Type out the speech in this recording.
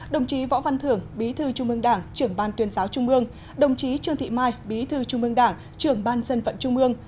đồng chí võ văn thưởng bí thư trung ương đảng trưởng ban tuyên giáo trung mương đồng chí trương thị mai bí thư trung ương đảng trưởng ban dân vận trung ương